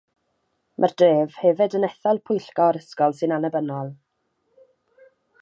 Mae'r dref hefyd yn ethol pwyllgor ysgol sy'n annibynnol.